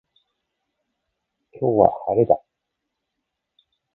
今日は、晴れだ。